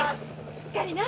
しっかりな。